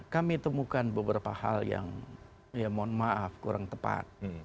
kami temukan beberapa hal yang ya mohon maaf kurang tepat